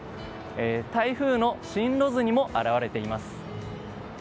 台風の進路図にも表れています。